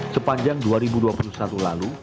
sepanjang dua ribu dua puluh satu lalu